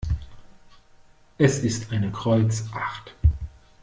Es ist eine Kreuz acht.